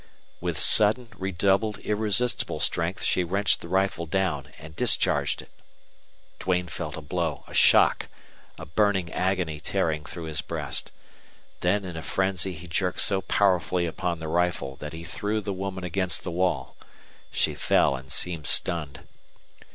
With sudden, redoubled, irresistible strength she wrenched the rifle down and discharged it. Duane felt a blow a shock a burning agony tearing through his breast. Then in a frenzy he jerked so powerfully upon the rifle that he threw the woman against the wall. She fell and seemed stunned.